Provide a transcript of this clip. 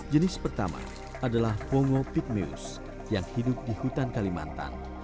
jenis pertama adalah pongo pitmeus yang hidup di hutan kalimantan